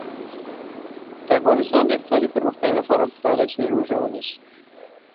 د افغانستان د اقتصادي پرمختګ لپاره پکار ده چې روژه ونیسو.